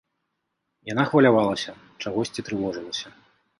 Яна хвалявалася, чагосьці трывожылася.